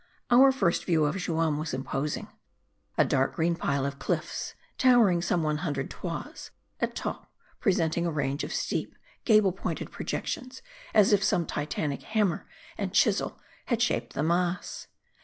Our first view of Juam was imposing. A dark green pile of cliffs, towering some one hundred toises ; at top, pre senting a range of steep, gable pointed projections ; as if some Titanic hammer, and chisel had shaped the mass.